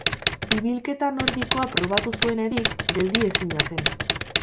Ibilketa nordikoa probatu zuenetik, geldiezina zen.